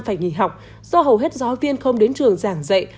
phải nghỉ học do hầu hết giáo viên không đến trường giảng dạy